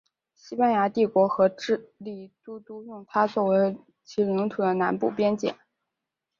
西班牙帝国和智利都督用它作为其领土的南部边界。